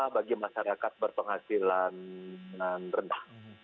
bagi masyarakat berpenghasilan rendah